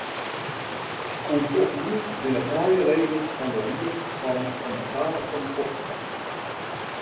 In skoft lyn binne trije leden fan de ried fan kommissarissen opstapt.